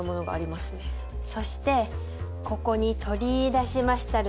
そしてここに取り出しましたる